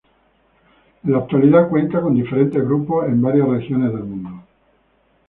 En la actualidad cuenta con diferentes grupos en varias regiones del mundo.